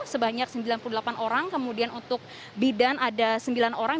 sebanyak sembilan puluh delapan orang kemudian untuk bidan ada sembilan orang